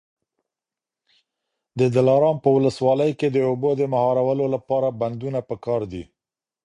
د دلارام په ولسوالۍ کي د اوبو د مهارولو لپاره بندونه پکار دي.